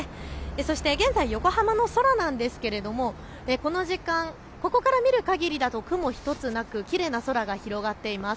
そして現在、横浜の空なんですけれどもこの時間、ここから見るかぎりだと雲一つなくきれいな空が広がっています。